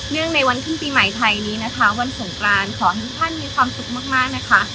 ในวันขึ้นปีใหม่ไทยนี้นะคะวันสงกรานขอให้ทุกท่านมีความสุขมากนะคะ